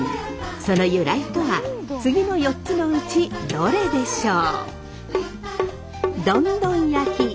その由来とは次の４つのうちどれでしょう？